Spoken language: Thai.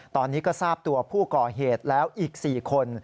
ตอนนี้ก็ทราบตัวผู้ก่อเหตุแล้วอีก๔คน